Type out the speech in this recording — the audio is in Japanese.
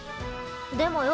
でもよ